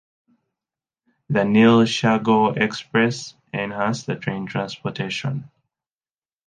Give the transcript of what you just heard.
The Neel Shagor Express enhanced the train transportation.